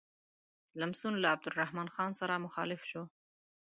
لمسون له عبدالرحمن خان سره مخالف شو.